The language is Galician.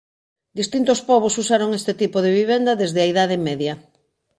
Distintos pobos usaron este tipo de vivenda desde a Idade Media.